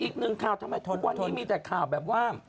อีกหนึ่งข่าวทำไมทุกวันนี้มีแต่ข่าวแบบว่า